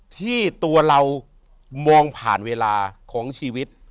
ที่ตัวเรามองผ่านเวลาของชีวิต